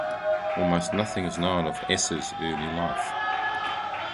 Almost nothing is known of Asser's early life.